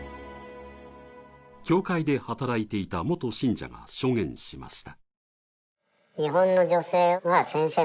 教会で働いていた元信者が証言しました。